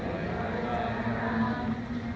เมื่อเวลาเมื่อเวลามันกลายเป้าหมายเป็นเวลาที่สุดท้าย